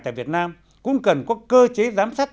tại việt nam cũng cần có cơ chế giám sát